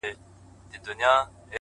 سترگي لكه دوې ډېوې;